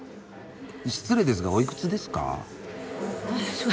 失礼ですがおいくつですか？